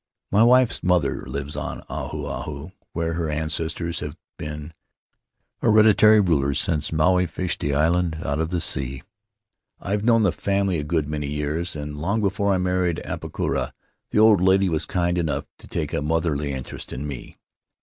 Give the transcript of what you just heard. "Mv wife's mother lives on Ahu Ahu, where her ancestors have been hereditary rulers since Maui fished the island out of the sea. I've known the family a good many years, and long before I married Apakura the old lady was kind enough to take a The Land of Ahu Ahu motherly interest in me.